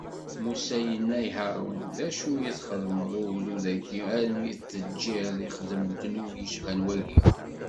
Musa yenna i Haṛun: D acu i k-ixdem ugdud-agi armi i t-teǧǧiḍ ixdem ddnub yecban wagi?